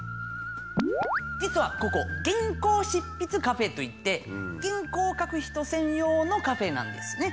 実はここ原稿執筆カフェといって原稿を書く人専用のカフェなんですね。